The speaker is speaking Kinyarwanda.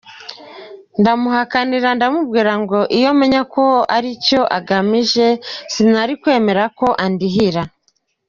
Ndamuhakanira ndamubwira ngo iyo menya ko aricyo agamije sinari kwemera ko andihira.